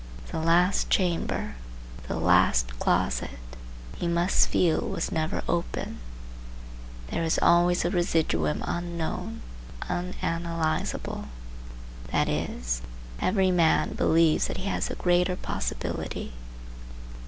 The last chamber, the last closet, he must feel was never opened; there is always a residuum unknown, unanalyzable. That is, every man believes that he has a greater possibility.